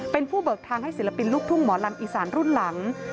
เป็นผู้เบิกทางให้ศิลปินลูกทุ่งหมอลำอีสานรุ่นหลัง